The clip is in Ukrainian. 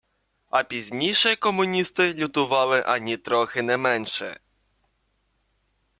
А пізніше комуністи лютували анітрохи не менше